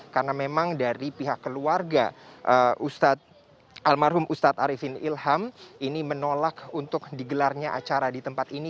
karena memang dari pihak keluarga almarhum ustadz arifin ilham ini menolak untuk digelarnya acara di tempat ini